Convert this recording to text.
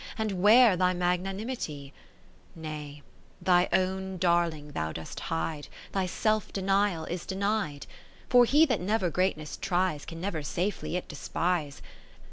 And where thy magnanimity ? Nay, thy own darling thou dost hide Thy self denial is denied ; For he that never greatness tries. Can never safely it despise.